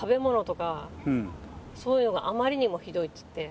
そういうのがあまりにもひどいって言って。